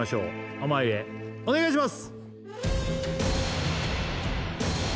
濱家お願いします！